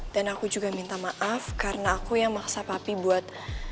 dan aku juga minta maaf karena aku yang maksa papi buat